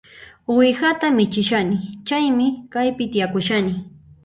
Uwihata michishani, chaymi kaypi tiyakushani